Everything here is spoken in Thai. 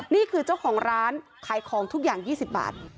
นี่คือเจ้าของร้านขายของทุกอย่าง๒๐บาท